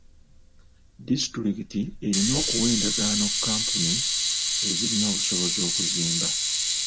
Disitulikiti erina okuwa endagaano kkampuni ezirina obusobozi okuzimba.